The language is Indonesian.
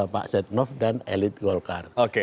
pak setnov dan elit gol kari